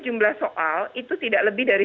jumlah soal itu tidak lebih dari